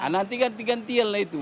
nanti gantikan tiel lah itu